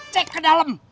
cek ke dalam